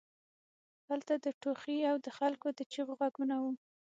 هلته د ټوخي او د خلکو د چیغو غږونه وو